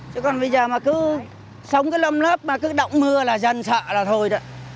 chứ còn bây giờ mà cứ sống cái lâm lớp mà cứ động mưa là dần sợ là thôi